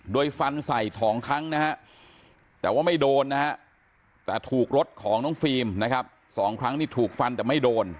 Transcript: โดยฟันใส่๒ครั้งนะฮะแต่ว่าไม่โดนนะฮะแต่ถูกรถของน้องฟิล์มนะครับ๒ครั้งนี่ถูกฟันแต่ไม่โดน